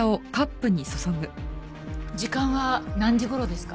時間は何時頃ですか？